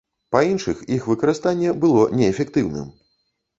Па іншых, іх выкарыстанне было неэфектыўным.